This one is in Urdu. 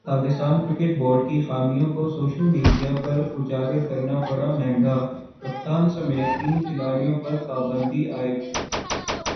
پاکستان کرکٹ بورڈ کی خامیوں کو سوشل میڈیا پر اجاگر کرنا پڑا مہنگا ، کپتان سمیت تین کھلاڑیوں پر پابندی عائد